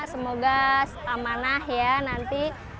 semoga amanah ya nanti